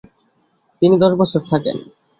তিনি দশ বছর থাকেন।